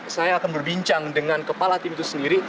saya akan berbincang dengan kepala tim itu sendiri